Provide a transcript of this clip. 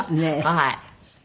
はい。